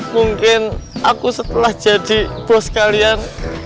mungkin aku setelah jadi bos kalian